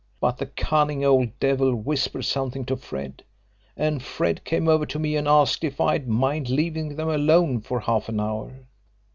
But the cunning old devil whispered something to Fred, and Fred came over to me and asked if I'd mind leaving them alone for half an hour.